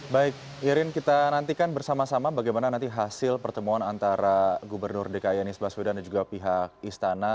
baik irin kita nantikan bersama sama bagaimana nanti hasil pertemuan antara gubernur dki anies baswedan dan juga pihak istana